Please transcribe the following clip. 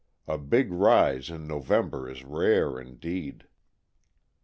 A big rise in November is rare indeed.